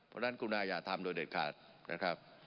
เพราะฉะนั้นกุณาอย่าทำโดยเด็ดขาดนะครับ